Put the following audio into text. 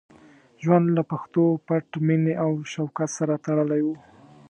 ژوند له پښتو، پت، مینې او شوکت سره تړلی وو.